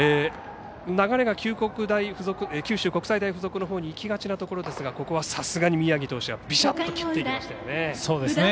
流れが九州国際大付属のほうにいきがちなところですがここはさすがに宮城投手はビシャッと切っていきましたよね。